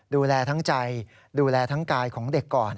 ดูแลทั้งใจดูแลทั้งกายของเด็กก่อน